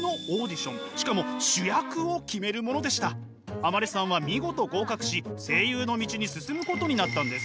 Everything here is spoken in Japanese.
天希さんは見事合格し声優の道に進むことになったんです。